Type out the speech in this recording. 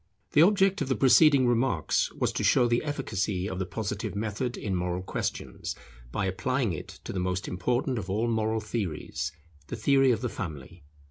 The object of the preceding remarks was to show the efficacy of the Positive method in moral questions by applying it to the most important of all moral theories, the theory of the Family.